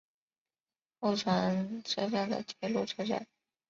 厚床车站的铁路车站。